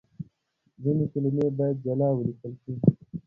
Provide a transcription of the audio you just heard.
ځينې کلمې بايد جلا وليکل شي.